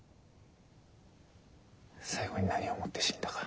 最後に何を思って死んだか。